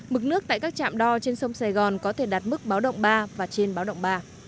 mực nước tại các trạm đo trên sông sài gòn có thể đạt mức báo động ba và trên báo động ba